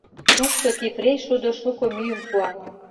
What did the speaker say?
Тушто кипрей шудо шуко мӱйым пуа.